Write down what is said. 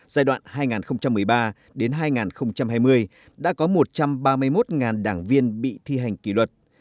giai đoạn hai nghìn một mươi ba hai nghìn hai mươi đã có một trăm ba mươi một đảng viên bị thi hành kỷ luật